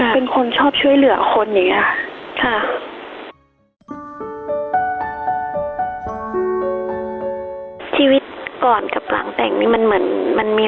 เป็นคนชอบช่วยเหลือคนอย่างนี้ค่ะ